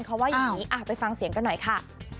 เขาว่าอย่างนี้ไปฟังเสียงกันหน่อยค่ะ